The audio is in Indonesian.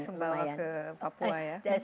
sumbawa daerah daerah situ